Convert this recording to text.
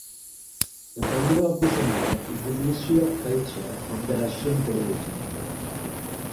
The founder of the center is the Ministry of Culture of the Russian Federation.